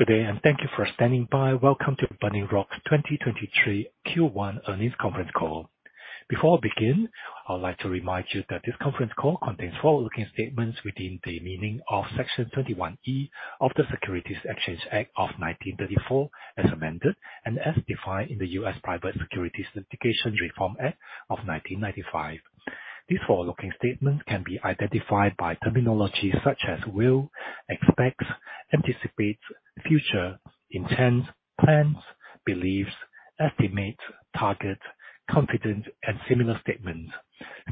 Good day, and thank you for standing by. Welcome to Burning Rock's 2023 Q1 Earnings Conference Call. Before we begin, I would like to remind you that this conference call contains forward-looking statements within the meaning of Section 21E of the Securities Exchange Act of 1934, as amended, and as defined in the U.S. Private Securities Litigation Reform Act of 1995. These forward-looking statements can be identified by terminology such as will, expects, anticipates, future, intends, plans, believes, estimates, targets, confident, and similar statements.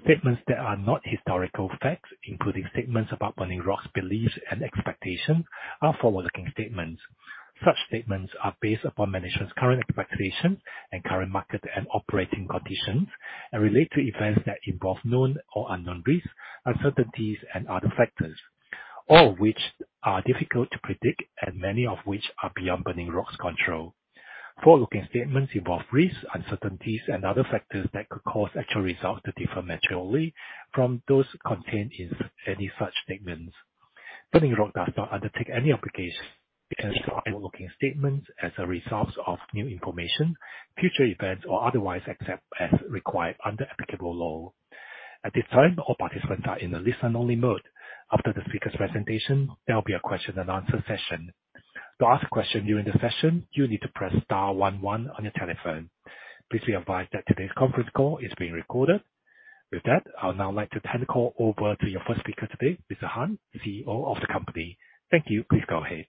Statements that are not historical facts, including statements about Burning Rock's beliefs and expectations, are forward-looking statements. Such statements are based upon management's current expectations and current market and operating conditions and relate to events that involve known or unknown risks, uncertainties, and other factors, all of which are difficult to predict and many of which are beyond Burning Rock's control. Forward-looking statements involve risks, uncertainties, and other factors that could cause actual results to differ materially from those contained in any such statements. Burning Rock does not undertake any obligation to revise forward-looking statements as a result of new information, future events, or otherwise, except as required under applicable law. At this time, all participants are in a listen only mode. After the speaker's presentation, there will be a question-and-answer session. To ask a question during the session, you need to press star one one on your telephone. Please be advised that today's conference call is being recorded. With that, I would now like to turn the call over to your first speaker today, Mr. Han, CEO of the company. Thank you. Please go ahead.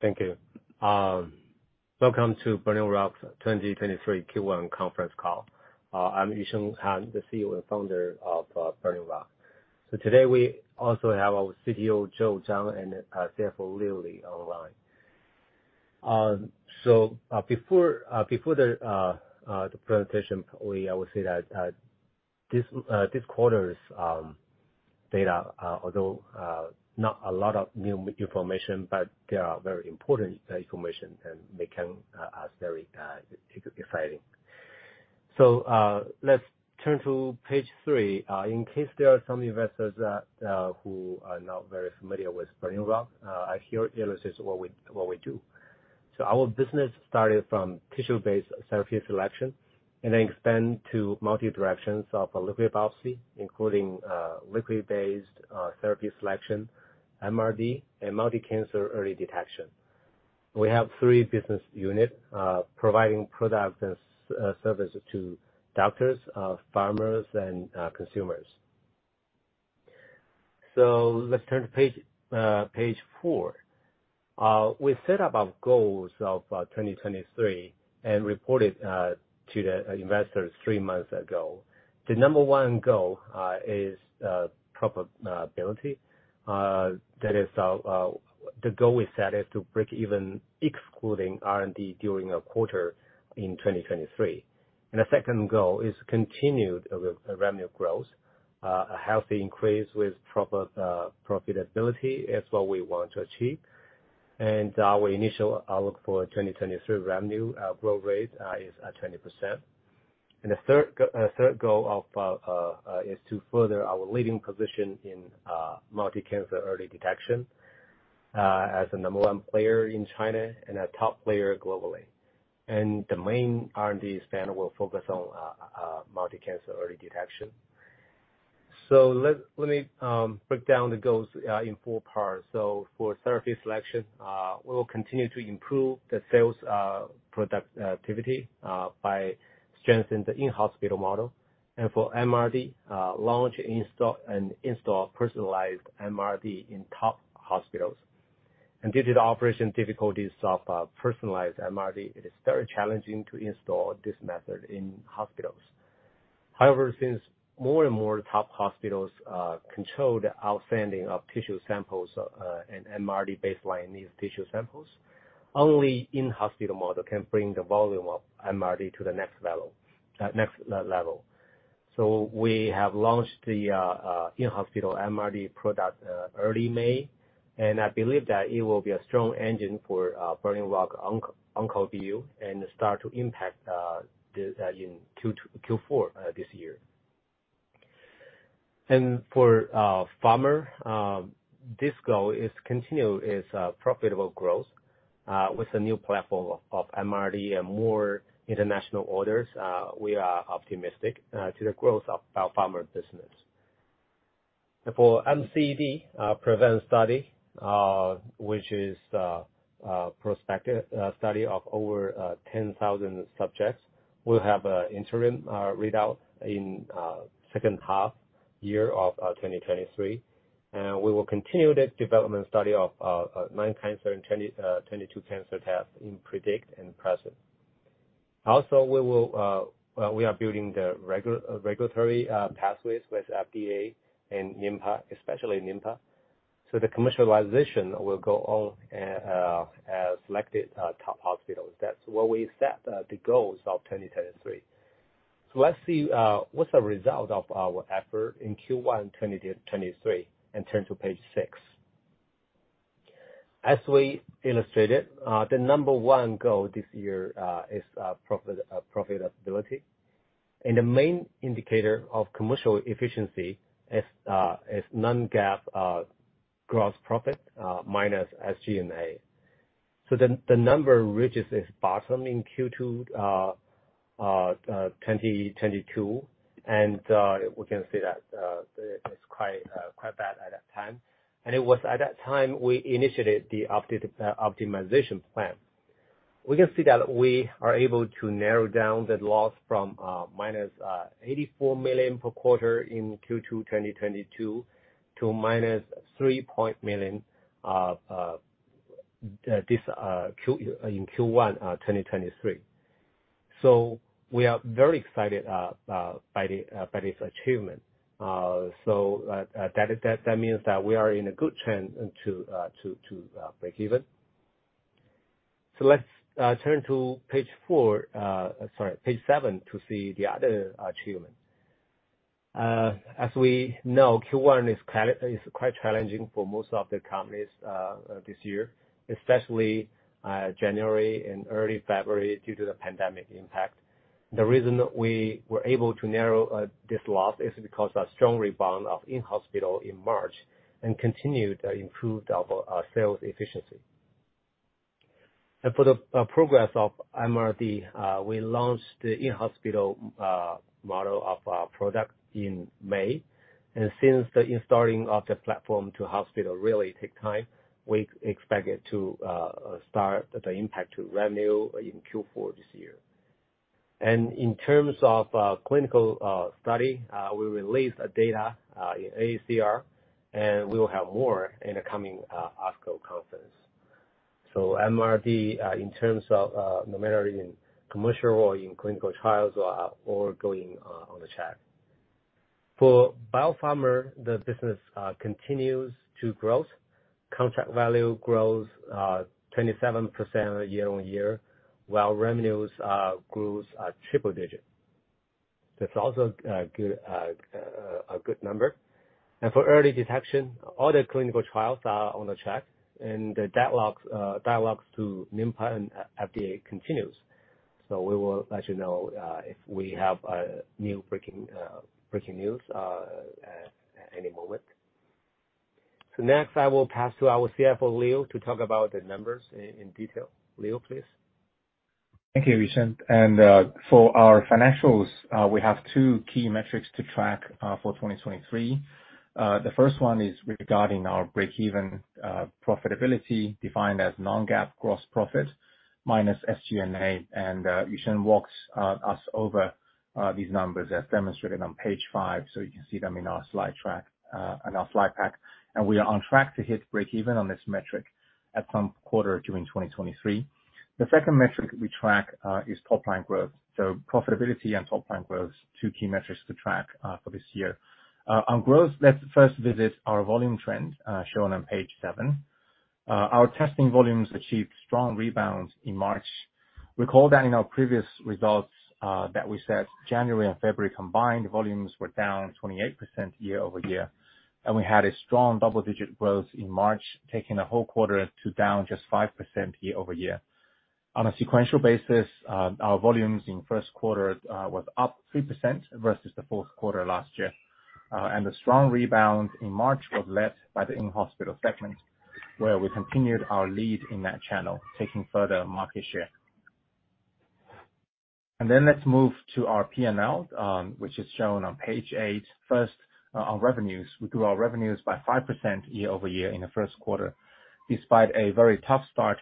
Thank you. Welcome to Burning Rock's 2023 Q1 Conference Call. I'm Yusheng Han, the CEO and founder of Burning Rock. Today we also have our CTO, Joe Zhang, and CFO, Leo Li, online. Before the presentation, I would say that this quarter's data, although not a lot of new information, but they are very important information, and they can are very exciting. Let's turn to page 3. In case there are some investors who are not very familiar with Burning Rock, I here illustrate what we do. Our business started from tissue-based therapy selection and then extend to multi directions of liquid biopsy, including liquid-based therapy selection, MRD, and multi-cancer early detection. We have three business unit providing products and services to doctors, pharmas, and consumers. Let's turn to page 4. We set up our goals of 2023 and reported to the investors three months ago. The number one goal is profitability. That is, the goal we set is to break even excluding R&D during a quarter in 2023. The second goal is continued revenue growth. A healthy increase with proper profitability is what we want to achieve. Our initial outlook for 2023 revenue growth rate is at 20%. The third goal is to further our leading position in multi-cancer early detection as the number one player in China and a top player globally. The main R&D spend will focus on multi-cancer early detection. Let me break down the goals in four parts. For therapy selection, we will continue to improve the sales product activity by strengthening the in-hospital model, and for MRD launch, install, and install personalized MRD in top hospitals. Due to the operation difficulties of personalized MRD, it is very challenging to install this method in hospitals. Since more and more top hospitals control the outstanding of tissue samples, and MRD baseline these tissue samples, only in-hospital model can bring the volume of MRD to the next level. We have launched the in-hospital MRD product early May, and I believe that it will be a strong engine for Burning Rock OncoView and start to impact the Q4 this year. For pharma, this goal is continue its profitable growth with a new platform of MRD and more international orders, we are optimistic to the growth of our pharma business. For MCD, PREVENT study, which is a prospective study of over 10,000 subjects, we'll have a interim readout in second half year of 2023. We will continue the development study of 9-cancer and 22-cancer tests in PREDICT and PRESCIENT. We will, we are building the regulatory pathways with FDA and NMPA, especially NMPA, so the commercialization will go on as selected top hospitals. That's where we set the goals of 2023. Let's see what's the result of our effort in Q1 2023 and turn to page six. As we illustrated, the number one goal this year is profit, profitability. The main indicator of commercial efficiency is non-GAAP gross profit minus SG&A. The number reaches its bottom in Q2 2022, we can see that it's quite bad at that time. It was at that time we initiated the updated optimization plan. We can see that we are able to narrow down the loss from -84 million per quarter in Q2 2022 to -30 million in Q1 2023. We are very excited by this achievement. That means that we are in a good trend to break even. Let's turn to page 4, sorry, page 7, to see the other achievement. As we know, Q1 is quite challenging for most of the companies this year, especially January and early February, due to the pandemic impact. The reason we were able to narrow this loss is because a strong rebound of in-hospital in March and continued improved our sales efficiency. For the progress of MRD, we launched the in-hospital model of our product in May. Since the installing of the platform to hospital really take time, we expect it to start the impact to revenue in Q4 this year. In terms of clinical study, we released data in AACR, and we will have more in the coming ASCO conference. MRD, in terms of no matter in commercial or in clinical trials, are all going on the chart. For Biopharma, the business continues to grow. Contract value grows 27% year-over-year, while revenues grows triple digit. That's also a good number. For early detection, all the clinical trials are on the chart, and the dialogues to NMPA and FDA continues. We will let you know, if we have a new breaking news, at any moment. Next, I will pass to our CFO, Leo, to talk about the numbers in detail. Leo, please. Thank you, Yusheng. For our financials, we have two key metrics to track for 2023. The first one is regarding our break-even profitability, defined as non-GAAP gross profit minus SG&A. Yusheng walked us over these numbers as demonstrated on page 5, so you can see them in our slide track on our slide pack. We are on track to hit breakeven on this metric at some quarter during 2023. The second metric we track is top line growth. Profitability and top line growth, two key metrics to track for this year. On growth, let's first visit our volume trend shown on page 7. Our testing volumes achieved strong rebounds in March. Recall that in our previous results, that we said January and February combined, volumes were down 28% year-over-year. We had a strong double-digit growth in March, taking the whole quarter to down just 5% year-over-year. On a sequential basis, our volumes in first quarter was up 3% versus the fourth quarter last year. The strong rebound in March was led by the in-hospital segment, where we continued our lead in that channel, taking further market share. Let's move to our P&L, which is shown on page 8. First, on revenues. We grew our revenues by 5% year-over-year in the first quarter, despite a very tough start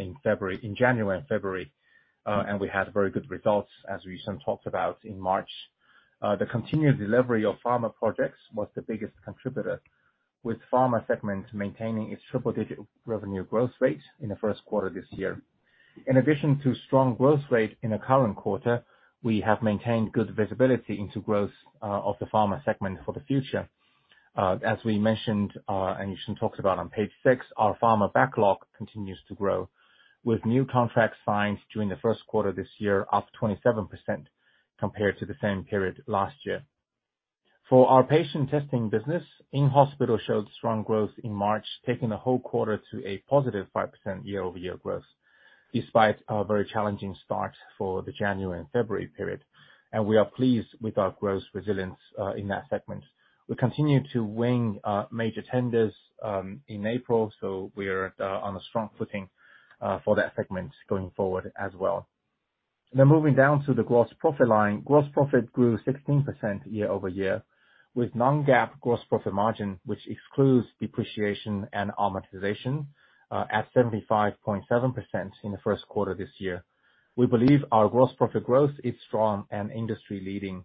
in February, in January and February. We had very good results, as Yusheng Han talked about in March. The continued delivery of pharma projects was the biggest contributor, with pharma segment maintaining its triple digit revenue growth rate in the first quarter this year. In addition to strong growth rate in the current quarter, we have maintained good visibility into growth of the pharma segment for the future. As we mentioned, and Yusheng talked about on page 6, our pharma backlog continues to grow, with new contracts signed during the first quarter this year, up 27% compared to the same period last year. For our patient testing business, in-hospital showed strong growth in March, taking the whole quarter to a positive 5% year-over-year growth, despite a very challenging start for the January and February period, and we are pleased with our growth resilience in that segment. We continue to win major tenders in April, so we are on a strong footing for that segment going forward as well. Moving down to the gross profit line. Gross profit grew 16% year-over-year, with non-GAAP gross profit margin, which excludes depreciation and amortization, at 75.7% in the first quarter this year. We believe our gross profit growth is strong and industry-leading.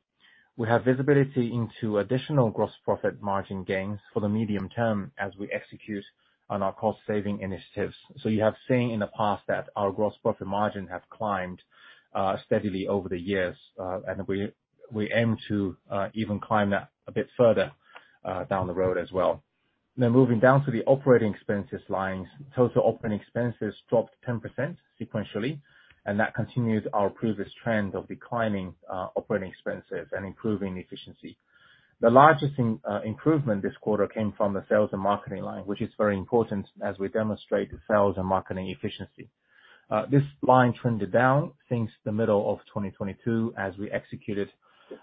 We have visibility into additional gross profit margin gains for the medium term as we execute on our cost saving initiatives. You have seen in the past that our gross profit margin have climbed steadily over the years, and we aim to even climb that a bit further down the road as well. Moving down to the operating expenses lines, total operating expenses dropped 10% sequentially, and that continues our previous trend of declining operating expenses and improving efficiency. The largest improvement this quarter came from the sales and marketing line, which is very important as we demonstrate sales and marketing efficiency. This line trended down since the middle of 2022 as we executed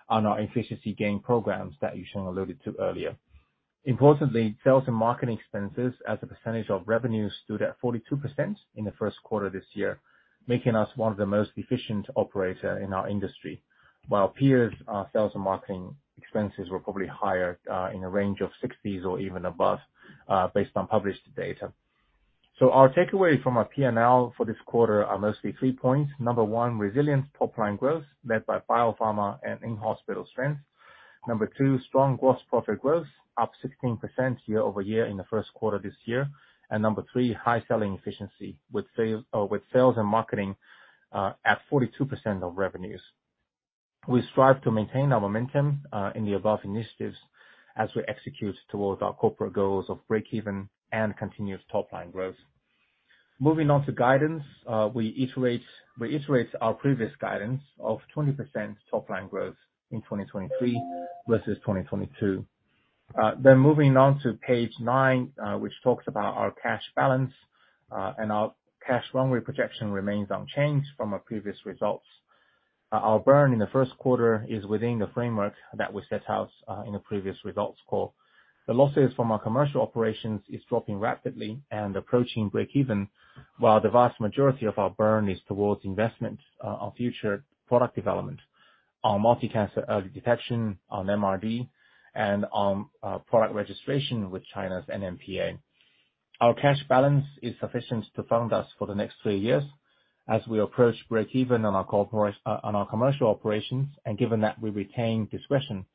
on our efficiency gain programs that Yusheng alluded to earlier. Importantly, sales and marketing expenses as a percentage of revenues, stood at 42% in the first quarter this year, making us one of the most efficient operator in our industry, while peers' sales and marketing expenses were probably higher in a range of 60s or even above, based on published data. Our takeaway from our P&L for this quarter are mostly three points. Number one, resilient top line growth, led by biopharma and in-hospital strength. Number two, strong gross profit growth, up 16% year-over-year in the first quarter this year. Number three, high selling efficiency, with sales and marketing at 42% of revenues. We strive to maintain our momentum in the above initiatives as we execute towards our corporate goals of breakeven and continuous top line growth. Moving on to guidance, we iterate our previous guidance of 20% top line growth in 2023 versus 2022. Moving on to page 9, which talks about our cash balance, and our cash runway projection remains unchanged from our previous results. Our burn in the first quarter is within the framework that we set out in the previous results call. The losses from our commercial operations is dropping rapidly and approaching breakeven, while the vast majority of our burn is towards investment on future product development, on multi-cancer early detection, on MRD, and on product registration with China's NMPA. Our cash balance is sufficient to fund us for the next three years as we approach breakeven on our corporate on our commercial operations, and given that we retain discretion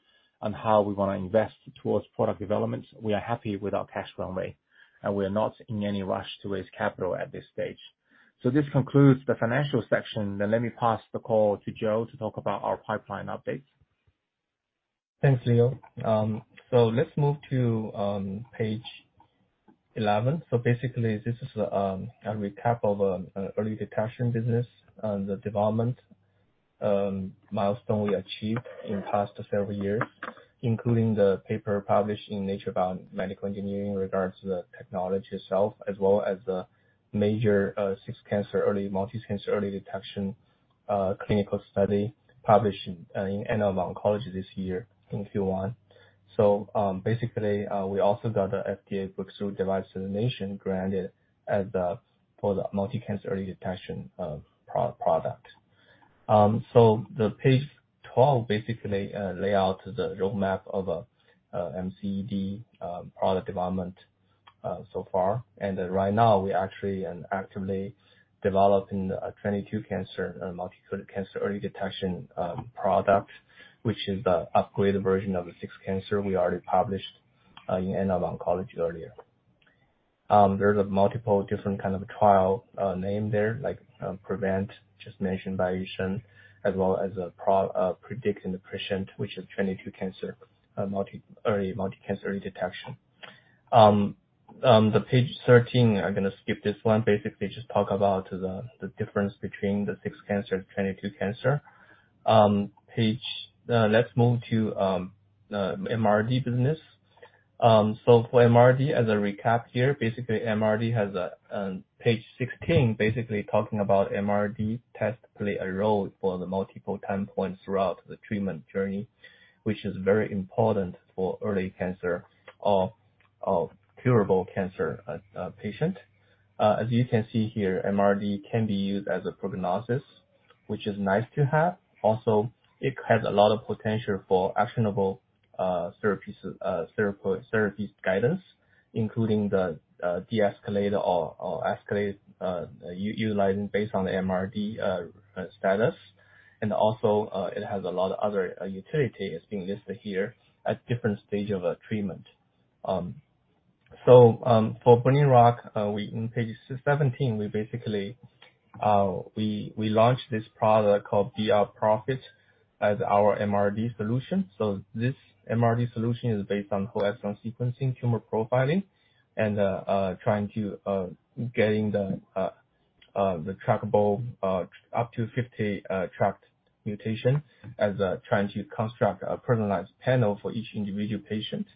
on how we want to invest towards product developments, we are happy with our cash runway, and we are not in any rush to raise capital at this stage. This concludes the financial section. Let me pass the call to Joe to talk about our pipeline updates. Thanks, Leo. Let's move to page 11. Basically, this is a recap of early detection business and the development milestone we achieved in the past several years, including the paper published in Nature Biomedical Engineering in regards to the technology itself, as well as the major 6 cancer early, multi-cancer early detection clinical study published in Annals of Oncology this year in Q1. Basically, we also got the FDA Breakthrough Device Designation granted as the, for the multi-cancer early detection product. The page 12 basically lay out the roadmap of MCED product development so far. Right now we actually am actively developing a 22-cancer multi-cancer early detection product, which is the upgraded version of the 6-cancer we already published in Annals of Oncology earlier. There's multiple different kind of trial name there, like Prevent, just mentioned by Yusheng Han, as well as Predict in the PRESCIENT, which is 22-cancer multi-cancer early detection. The page 13, I'm gonna skip this one. Basically, just talk about the difference between the 6-cancer and 22-cancer. Let's move to MRD business. For MRD, as a recap here, basically MRD has a page 16, basically talking about MRD test play a role for the multiple time points throughout the treatment journey, which is very important for early cancer or curable cancer patient. As you can see here, MRD can be used as a prognosis, which is nice to have. It has a lot of potential for actionable therapies guidance, including the deescalate or escalate utilizing based on the MRD status. It has a lot of other utility that's being listed here at different stage of a treatment. For Burning Rock, in page 17, we basically launched this product called brPROPHET as our MRD solution. This MRD solution is based on whole exome sequencing, tumor profiling, and trying to getting the trackable up to 50 tracked mutation as trying to construct a personalized panel for each individual patient.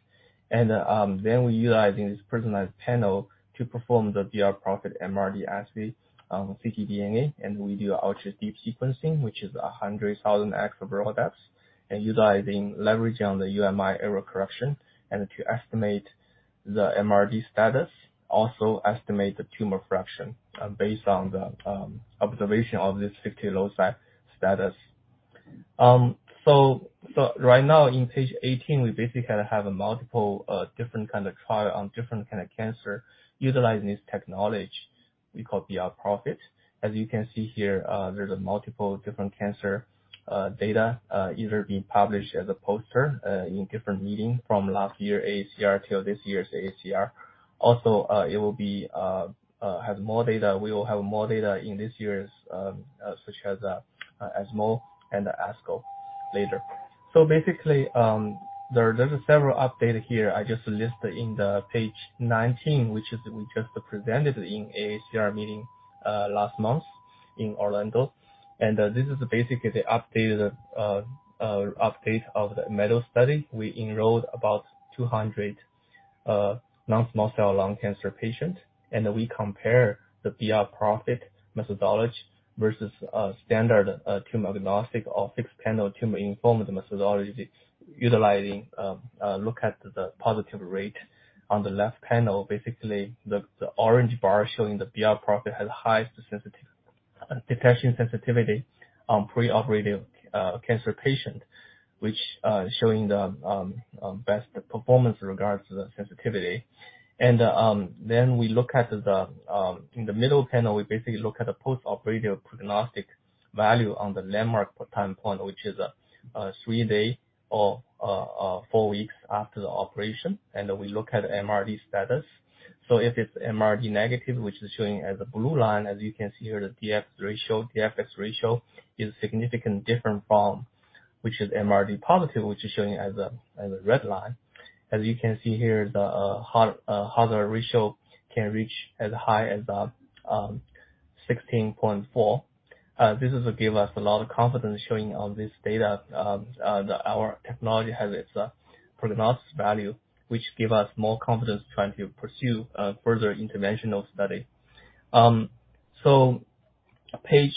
We're utilizing this personalized panel to perform the brPROPHET MRD assay, ctDNA, and we do ultra-deep sequencing, which is 100,000 extra raw depths, utilizing leveraging on the UMI error correction to estimate the MRD status, also estimate the tumor fraction, based on the observation of this 50 low site status. Right now, in page 18, we basically have multiple different kind of trial on different kind of cancer utilizing this technology we call brPROPHET. As you can see here, there's multiple different cancer data either being published as a poster in different meeting from last year AACR till this year's AACR. It will have more data. We will have more data in this year's ESMO and ASCO later. Basically, there's several updates here. I just listed in the page 19, which is we just presented in AACR meeting last month in Orlando. This is basically the updated update of the MEDAL study. We enrolled about 200 non-small cell lung cancer patient, and we compare the brPROPHET methodology versus standard tumor-agnostic or fixed-panel tumor-informed methodology, utilizing look at the positive rate. On the left panel, basically, the orange bar showing the brPROPHET has high sensitivity, detection sensitivity on preoperative cancer patient, which showing the best performance in regards to the sensitivity. Then we look at the in the middle panel, we basically look at the postoperative prognostic value on the landmark time point, which is a three-day or four weeks after the operation, and then we look at MRD status. If it's MRD negative, which is showing as a blue line, as you can see here, the DF ratio, DFS is significantly different from which is MRD positive, which is showing as a red line. As you can see here, the hazard ratio can reach as high as 16.4. This is give us a lot of confidence showing on this data that our technology has its prognostic value, which give us more confidence trying to pursue further interventional study. Page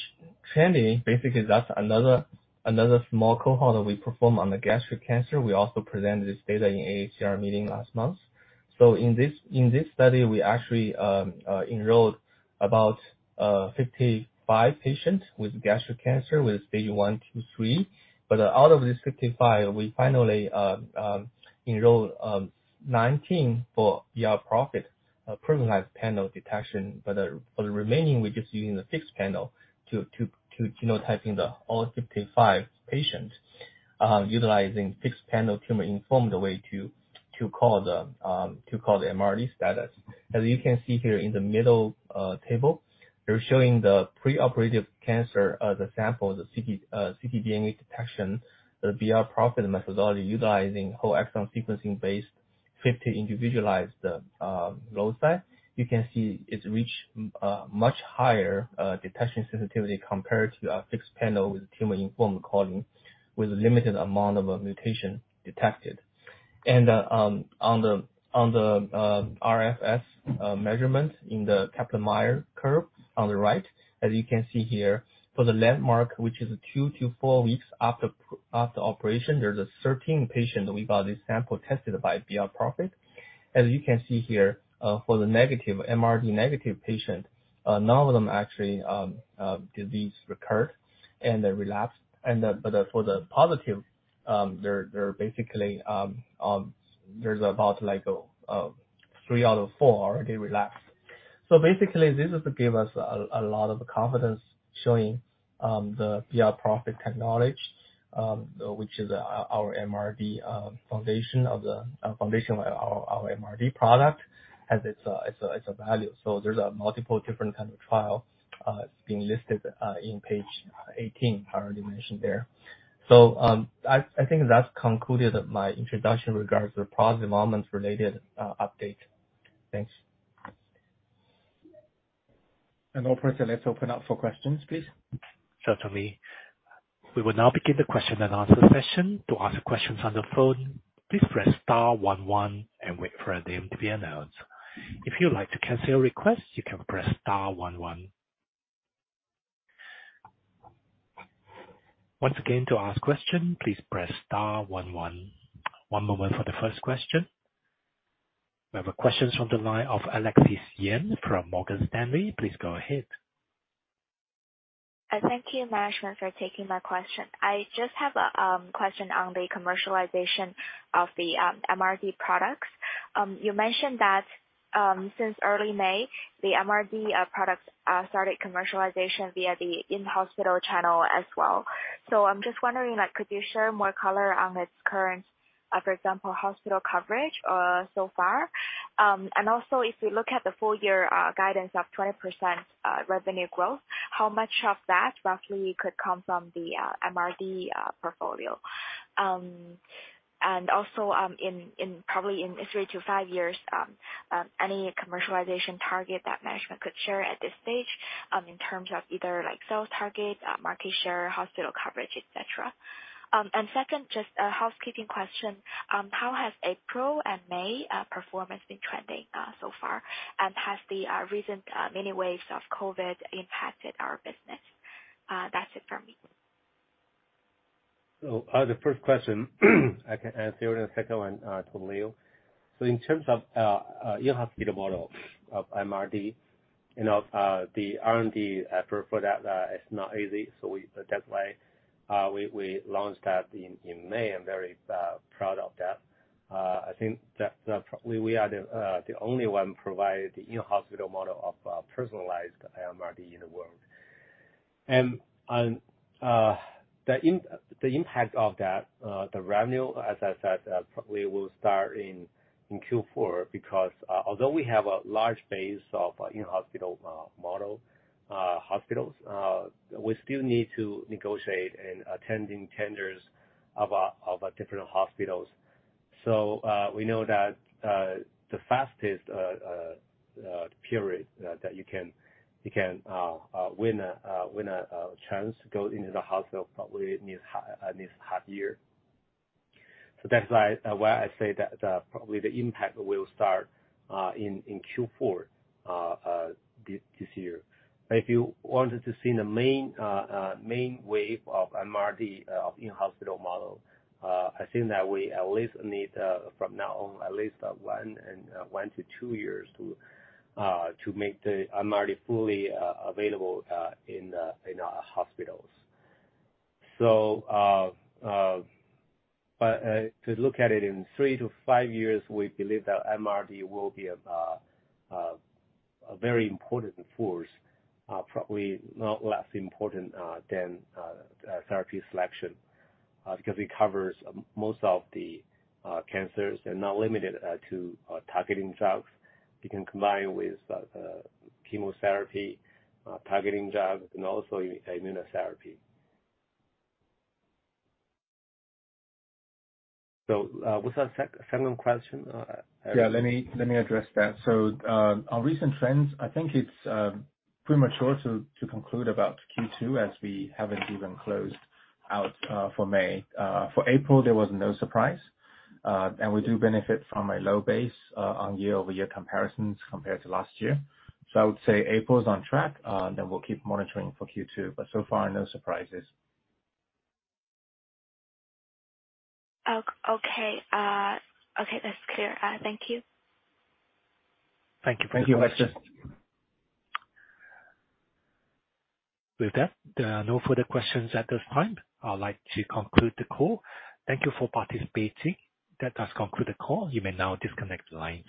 20, basically, that's another small cohort that we perform on the gastric cancer. We also presented this data in AACR meeting last month. In this study, we actually enrolled about 55 patients with gastric cancer, with stage 1, 2, 3. Out of these 55, we finally enrolled 19 for the brPROPHET personalized panel detection. For the remaining, we're just using the fixed panel to genotyping the all 55 patients, utilizing fixed panel tumor-informed way to call the MRD status. As you can see here in the middle table, they're showing the preoperative cancer, the sample, the ctDNA detection, the brPROPHET methodology, utilizing whole exome sequencing-based 50 individualized loci. You can see it's reached much higher detection sensitivity compared to our fixed panel with tumor-informed calling, with a limited amount of mutation detected. On the RFS measurement in the Kaplan-Meier curve on the right, as you can see here, for the landmark, which is two to four weeks after operation, there's a 13 patient we got this sample tested by brPROPHET. As you can see here, for the negative, MRD negative patient, none of them actually disease recurred and then relapsed. For the positive, basically, there's about like three out of four they relapsed. Basically, this is to give us a lot of confidence showing the brPROPHET technology, which is our MRD foundation of our MRD product, has value. There's multiple different kinds of trial being listed in page 18, I already mentioned there. I think that's concluded my introduction regards to positive elements related update. Thanks. Operator, let's open up for questions, please. Certainly. We will now begin the question and answer session. To ask questions on the phone, please press star one one and wait for your name to be announced. If you'd like to cancel your request, you can press star one one. Once again, to ask question, please press star one one. One moment for the first question. We have a question from the line of Alexis Yan from Morgan Stanley. Please go ahead. Thank you, Management, for taking my question. I just have a question on the commercialization of the MRD products. You mentioned that since early May, the MRD products started commercialization via the in-hospital channel as well. I'm just wondering, like, could you share more color on its current, for example, hospital coverage so far? If we look at the full year guidance of 20% revenue growth, how much of that roughly could come from the MRD portfolio? In probably in three to five years, any commercialization target that management could share at this stage, in terms of either, like, sales target, market share, hospital coverage, et cetera. Second, just a housekeeping question. How has April and May performance been trending so far? Has the recent many waves of COVID impacted our business? That's it for me. The first question, I can answer, and the second one, to Leo. In terms of, you have to be the model of MRD, you know, the R&D effort for that, is not easy. That's why, we launched that in May. I'm very proud of that. I think that we are the only one providing the in-hospital model of personalized MRD in the world. And the impact of that, the revenue, as I said, probably will start in Q4, because although we have a large base of in-hospital model hospitals, we still need to negotiate and attending tenders of different hospitals. We know that the fastest period that you can win a chance to go into the hospital, probably need half, at least half year. That's why I say that probably the impact will start in Q4 this year. If you wanted to see the main wave of MRD in-hospital model, I think that we at least need from now on, at least one and one to two years to make the MRD fully available in our hospitals. To look at it in three to five years, we believe that MRD will be a very important force, probably not less important than therapy selection, because it covers most of the cancers and not limited to targeting drugs. It can combine with chemotherapy, targeting drugs, and also immunotherapy. What's the second question? Yeah, let me address that. Our recent trends, I think it's premature to conclude about Q2, as we haven't even closed out for May. For April, there was no surprise. We do benefit from a low base on year-over-year comparisons compared to last year. I would say April is on track. We'll keep monitoring for Q2. So far, no surprises. Okay, that's clear. Thank you. Thank you. Thank you very much. With that, there are no further questions at this time. I'd like to conclude the call. Thank you for participating. That does conclude the call. You may now disconnect the lines.